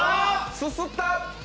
すすった！